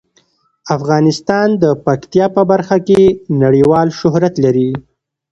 افغانستان د پکتیا په برخه کې نړیوال شهرت لري.